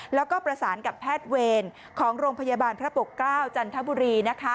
แล้วก็ประสานกับแพทย์เวรของโรงพยาบาลพระปกเกล้าจันทบุรี